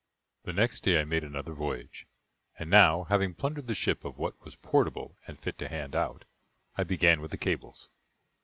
The next day I made another voyage, and now, having plundered the ship of what was portable and fit to hand out, I began with the cables.